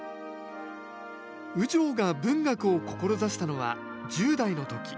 雨情が文学を志したのは１０代の時。